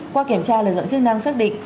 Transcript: qua kiểm tra lực lượng chức năng xác định